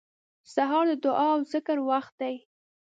سهار د دعا او ذکر وخت دی.